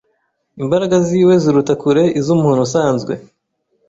Imbaraga ziwe ziruta kure iz'umuntu usanzwe.